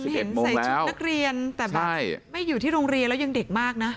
เห็นใส่ชุดนักเรียนแต่แบบไม่อยู่ที่โรงเรียนแล้วยังเด็กมากนะ